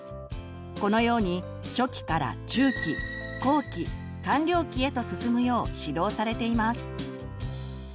このように初期から中期後期完了期へと進むよう指導されています。